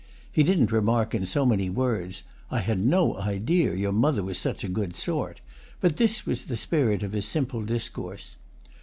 He didn't remark in so many words "I had no idea your mother was such a good sort"; but this was the spirit of his simple discourse.